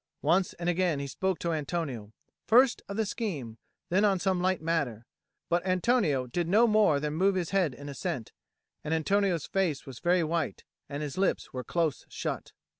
Once and again he spoke to Antonio, first of the scheme, then on some light matter; but Antonio did no more than move his head in assent. And Antonio's face was very white, and his lips were close shut.